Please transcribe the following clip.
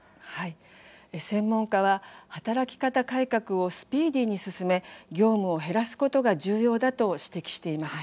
専門家は働き方改革をスピーディーに進め業務を減らすことが重要だと指摘しています。